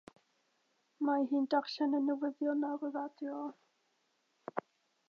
Mae hi'n darllen y newyddion ar y radio.